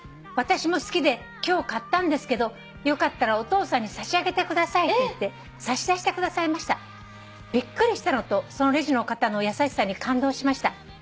「『私も好きで今日買ったんですけどよかったらお父さんに差し上げてください』と言って差し出してくださいました」「びっくりしたのとそのレジの方の優しさに感動しました」